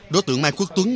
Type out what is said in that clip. đối tượng mai quốc túng